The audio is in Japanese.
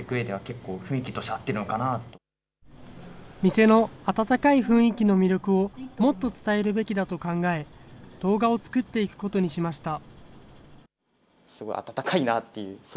店の温かい雰囲気の魅力をもっと伝えるべきだと考え、動画を作っていくことにしました。